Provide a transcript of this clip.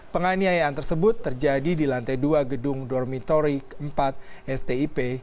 penganiayaan tersebut terjadi di lantai dua gedung dormitori keempat stip